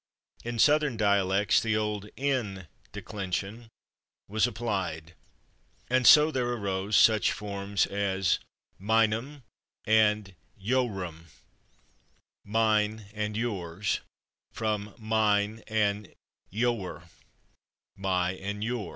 In the Southern dialects the old /n/ declension was applied, and so there arose such forms as /minum/ and /eowrum/ (=/mine/ and /yours/), from /min/ and /eower/ (=/my/ and /your